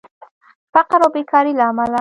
فقر او بیکارې له امله